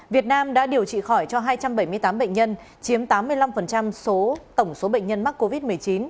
việt nam đã điều trị khỏi cho hai trăm bảy mươi tám bệnh nhân chiếm tám mươi năm số tổng số bệnh nhân mắc covid một mươi chín